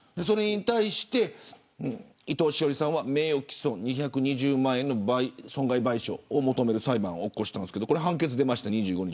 それに対して伊藤詩織さんは名誉棄損２２０万円の損害賠償を求める裁判を起こしましたが判決が２５日に出ました。